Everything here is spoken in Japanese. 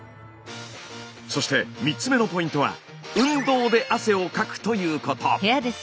そして３つ目のポイントは運動で汗をかくということ。